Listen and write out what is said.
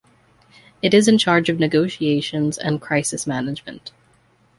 It is in charge of negotiations and crisis management.